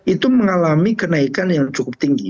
itu mengalami kenaikan yang cukup tinggi